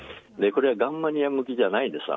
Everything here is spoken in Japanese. ガンマニア向きではないです。